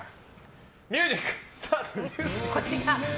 ミュージックスタート！